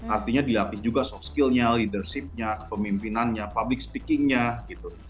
artinya dilapih juga soft skill nya leadership nya pemimpinannya public speaking nya gitu